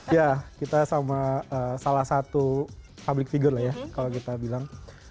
ya kita sama salah satu public figure lah ya kalau kita bilang